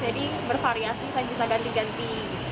jadi bervariasi saya bisa ganti ganti